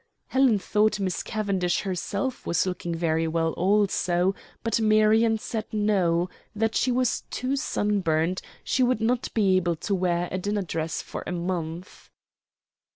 Helen thought Miss Cavendish herself was looking very well also, but Marion said no; that she was too sunburnt, she would not be able to wear a dinner dress for a month.